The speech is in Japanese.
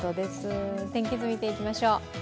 天気図見ていきましょう。